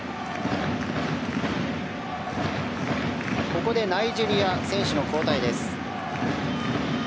ここでナイジェリア選手の交代です。